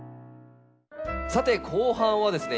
さて後半はですね